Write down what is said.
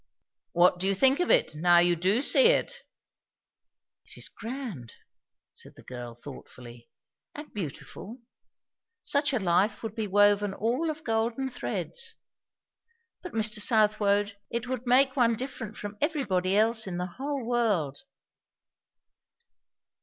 "What do you think of it, now you do see it?" "It is grand!" said the girl thoughtfully. "And beautiful. Such a life would be woven all of golden threads. But Mr. Southwode, it would make one different from everybody else in the whole world!"